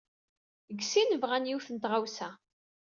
Deg sin bɣan yiwet n tɣawsa.